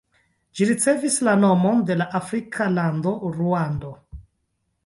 Ĝi ricevis la nomon de la afrika lando Ruando.